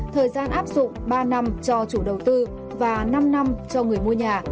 thời gian áp dụng ba năm cho chủ đầu tư và năm năm cho người mua nhà